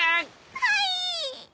はい。